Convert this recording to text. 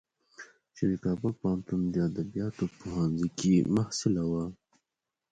چې د کابل پوهنتون د ادبیاتو پوهنځی کې محصله وه.